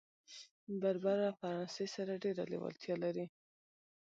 بربر له فرانسې سره ډېره لېوالتیا لري.